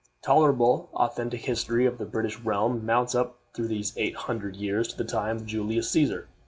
Tolerable authentic history of the British realm mounts up through these eight hundred years to the time of Julius Cæsar.